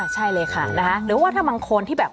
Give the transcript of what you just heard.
ใช่เลยค่ะนะคะหรือว่าถ้าบางคนที่แบบ